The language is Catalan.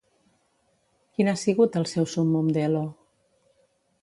Quin ha sigut el seu súmmum d'Elo?